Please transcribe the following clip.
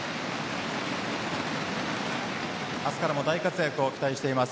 明日からも大活躍を期待しています。